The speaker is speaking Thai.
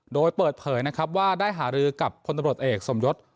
โดยเปิดเผยนะครับว่าได้หารือกับพลตำรวจเอกสมยศ